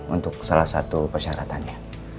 untuk salah satu persyaratannya